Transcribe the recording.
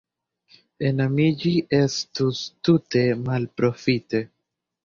Enamiĝi estus tute malprofite.